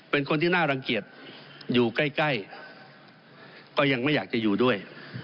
เป็นคนที่น่ารังเกียจอยู่ใกล้ก็ยังไม่อยากจะอยู่ด้วย